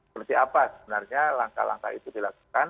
seperti apa sebenarnya langkah langkah itu dilakukan